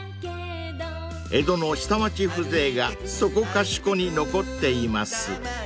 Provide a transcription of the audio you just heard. ［江戸の下町風情がそこかしこに残っています］